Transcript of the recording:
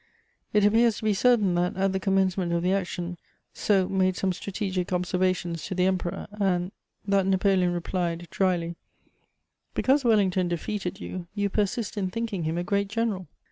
It appears to be certain that, at the commencement of the action, Soult made some strategic observations to the Emperor, and that Napoleon replied, drily: "Because Wellington defeated you, you persist in thinking him a great general."